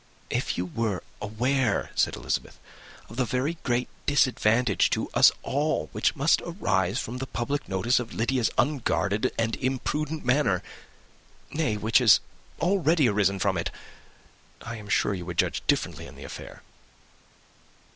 "If you were aware," said Elizabeth, "of the very great disadvantage to us all, which must arise from the public notice of Lydia's unguarded and imprudent manner, nay, which has already arisen from it, I am sure you would judge differently in the affair."